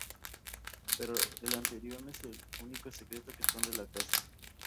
Pero el anterior no es el único secreto que esconde la casa.